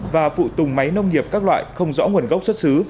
và phụ tùng máy nông nghiệp các loại không rõ nguồn gốc xuất xứ